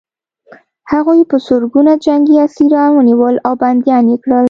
هغوی په زرګونه جنګي اسیران ونیول او بندیان یې کړل